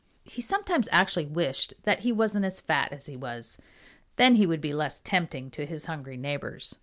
He sometimes actually wished that he wasn't as fat as he was. Then he would be less tempting to his hungry neighbors.